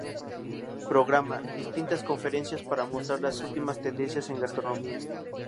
Programa: Distintas conferencias para mostrar las últimas tendencias en gastronomía.